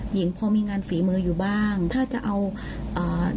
หญิงพอมีงานฝีมืออยู่บ้างถ้าจะเอาอ่า